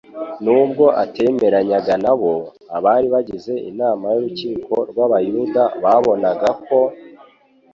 Nubwo atemeranyaga na bo, abari bagize inama y’Urukiko rw’Abayuda babonaga ko,